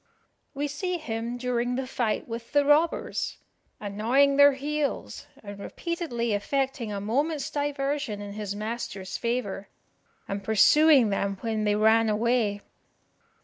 We see him during the fight with the robbers, "annoying their heels, and repeatedly effecting a moment's diversion in his master's favour, and pursuing them when they ran away."